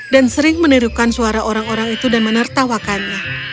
dan sering menirukan suara orang orang itu dan menertawakannya